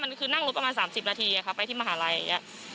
มันคือนั่งรถประมาณสามสิบนาทีอะค่ะไปที่มหาวิทยาลัยอย่างเงี้ย